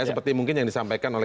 seperti mungkin yang disampaikan oleh